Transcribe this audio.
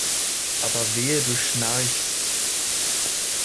Aber wehe du schnarchst!